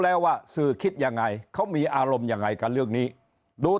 แล้วว่าสื่อคิดยังไงเขามีอารมณ์ยังไงกับเรื่องนี้ดู